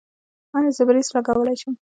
ایا زه برېس لګولی شم؟